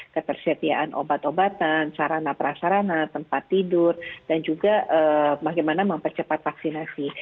ketersediaan obat obatan sarana prasarana tempat tidur dan juga bagaimana mempercepat vaksinasi